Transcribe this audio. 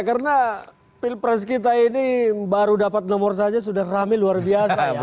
karena pilpres kita ini baru dapat nomor saja sudah rame luar biasa ya